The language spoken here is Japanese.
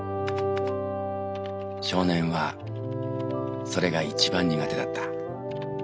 少年はそれが一番苦手だった。